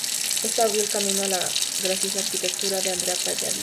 Esto abrió el camino a la graciosa arquitectura de Andrea Palladio.